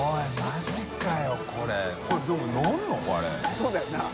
そうだよな。